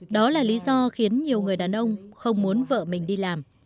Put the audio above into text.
đó là lý do khiến nhiều người đàn ông không muốn vợ mình đi làm